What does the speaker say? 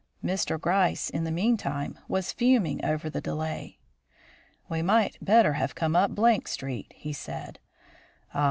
Mr. Gryce in the meantime was fuming over the delay. "We might better have come up Street," he said. "Ah!